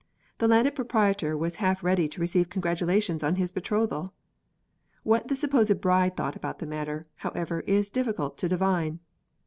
The Landed Proprietor was half ready to receive congratulations on his betrothal. What the supposed bride thought about the matter, however, is difficult to divine.